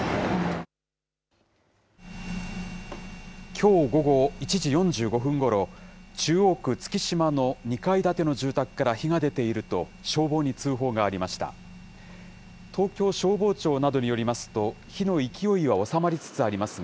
きょう午後１時４５分ごろ、中央区月島の２階建ての住宅から火が出ていると、消防に通報がありました。